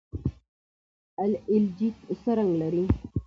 الجی څه رنګ لري؟